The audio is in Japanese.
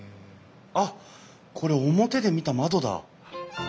あっこれ表で見た窓だ！